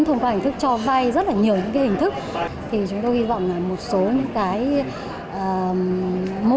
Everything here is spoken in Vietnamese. thông qua hình thức cho vay rất là nhiều những cái hình thức thì chúng tôi hy vọng là một số những cái mô